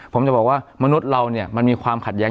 ผมจะบอกว่ามนุษย์เราเนี่ยมันมีความขัดแย้ง